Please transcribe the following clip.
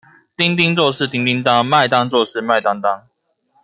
丁丁做事叮叮噹，麥當做事麥當當